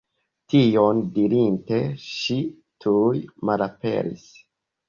Tion dirinte ŝi tuj malaperis.